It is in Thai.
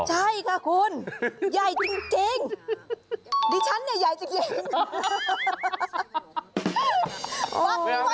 ใช่ค่ะคุณใหญ่จริงดิฉันเนี่ยใหญ่จริงฟักนี้ว่าใหญ่แล้ว